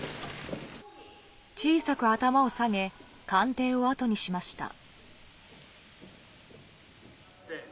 小さく頭を下げ、官邸を後にしました。